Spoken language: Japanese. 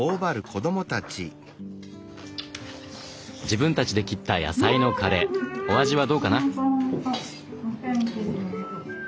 自分たちで切った野菜のカレーお味はどうかな？